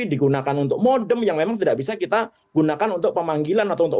digunakan untuk modem yang memang tidak bisa kita gunakan untuk pemanggilan atau untuk